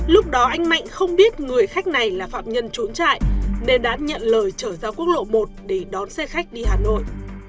lúc đó anh mạnh không biết người khách này là phạm nhân trốn chạy nên đã nhận lời chở ra quốc lộ một để đón xe khách đi hà nội